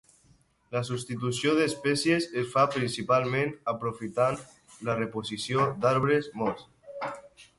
La substitució d'espècies es fa principalment aprofitant la reposició d'arbres morts.